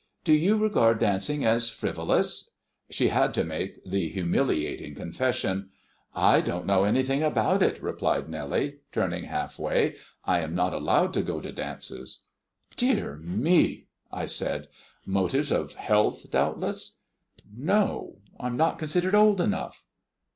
Do you regard dancing as frivolous?" She had to make the humiliating confession. "I don't know anything about it," replied Nellie, turning half away. "I am not allowed to go to dances." "Dear me!" I said; "motives of health, doubtless?" "No, I'm not considered old enough."